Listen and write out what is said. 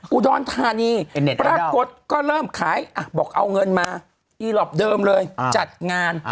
อุดรธานีปรากฏก็เริ่มขายบอกเอาเงินมาอีล็อปเดิมเลยจัดงาน